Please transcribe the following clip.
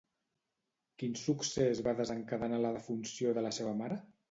Quin succés va desencadenar la defunció de la seva mare?